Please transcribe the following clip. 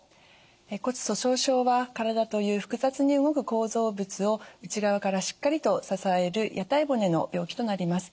骨粗しょう症は体という複雑に動く構造物を内側からしっかりと支える屋台骨の病気となります。